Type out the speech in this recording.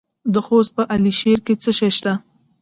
د خوست په علي شیر کې څه شی شته؟